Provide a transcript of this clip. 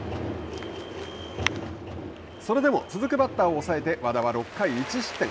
それでも続くバッターを抑えて和田は６回１失点。